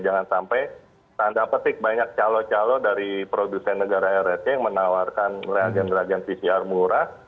jangan sampai tanda petik banyak calon calon dari produsen negara rrt yang menawarkan reagen reagen pcr murah